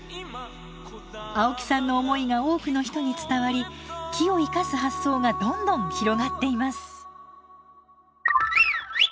青木さんの思いが多くの人に伝わり木を生かす発想がどんどん広がっています。